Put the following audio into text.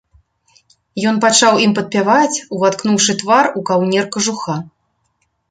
Ён пачаў ім падпяваць, уваткнуўшы твар у каўнер кажуха.